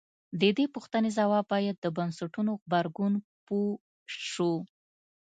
د دې پوښتنې ځواب باید د بنسټونو غبرګون پوه شو.